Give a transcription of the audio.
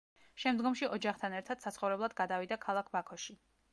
შემდგომში ოჯახთან ერთად საცხოვრებლად გადავიდა ქალაქ ბაქოში.